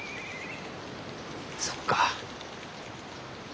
そっか。